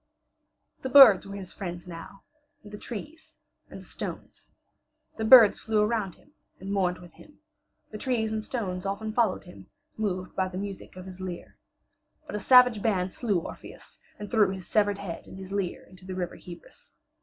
The birds were his friends now, and the trees and the stones. The birds flew around him and mourned with him; the trees and stones often followed him, moved by the music of his lyre. But a savage band slew Orpheus and threw his severed head and his lyre into the River Hebrus.